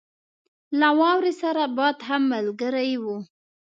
له واورې سره باد هم ملګری وو.